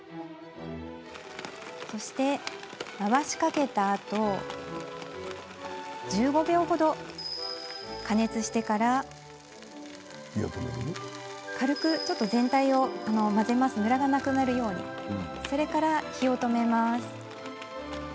そして、回しかけたあと１５秒程、加熱してから軽く全体をムラにならないように混ぜて火を止めます。